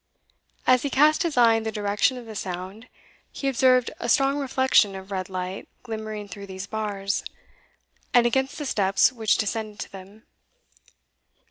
As he cast his eye in the direction of the sound, he observed a strong reflection of red light glimmering through these bars, and against the steps which descended to them.